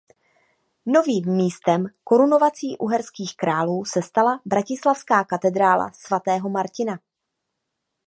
Novým místem korunovací uherských králů se stala bratislavská katedrála svatého Martina.